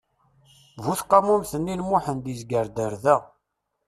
Bu tqamumt-nni n Muḥend izger-d ar da.